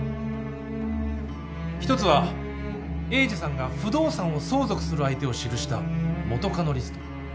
一つは栄治さんが不動産を相続する相手を記した元カノリスト。